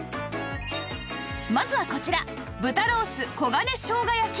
まずはこちら豚ロース黄金生姜焼き